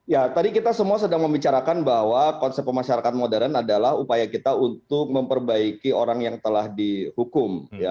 ya tadi kita semua sedang membicarakan bahwa konsep pemasyarakat modern adalah upaya kita untuk memperbaiki orang yang telah dihukum